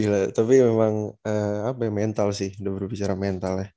iya tapi memang mental sih udah berbicara mental ya